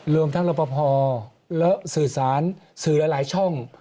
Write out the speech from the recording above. รวมทั้งรับประพอและสื่อสารสื่อหลายช่อง